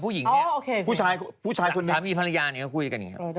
คุณแซมีพรรยาหนึ่งก็คุยกัน